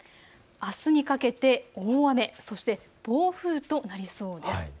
あすにかけて大雨、そして暴風となりそうです。